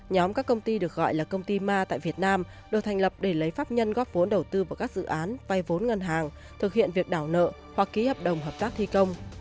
nhóm các công ty được gọi là công ty ma tại việt nam được thành lập để lấy pháp nhân góp vốn đầu tư vào các dự án vay vốn ngân hàng thực hiện việc đảo nợ hoặc ký hợp đồng hợp tác thi công